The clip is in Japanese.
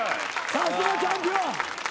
さすがチャンピオン。